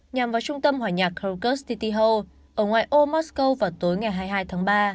nhằm vào trung tâm hòa nhà crocus city hall ở ngoài ô moscow vào tối ngày hai mươi hai tháng ba